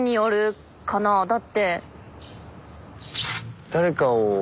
だって。